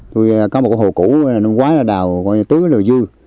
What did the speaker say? tôi có một cái hồ cũ năm qua là đào tước là dư